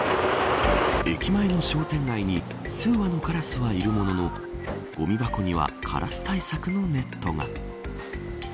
駅前の商店街に数羽のカラスがいるもののごみ箱にはカラス対策のネットが。